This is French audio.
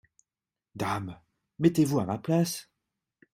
Dame !… mettez-vous à ma place !…